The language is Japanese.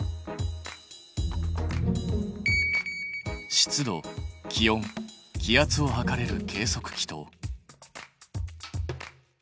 湿度気温気圧を測れる計測器と。